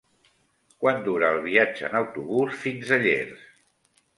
Quant dura el viatge en autobús fins a Llers?